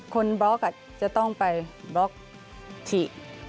บล็อกจะต้องไปบล็อกฉีก